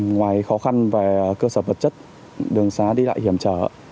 ngoài khó khăn về cơ sở vật chất đường xá đi lại hiểm trở